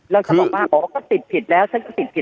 ปี๒๕๕๕แต่ผมตั้งข้อสังเกตแบบนี้